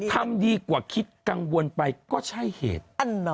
ทำดีกว่าคิดกังวลไปก็ใช่เหตุ